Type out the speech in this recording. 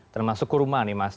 termasuk kurma nih mas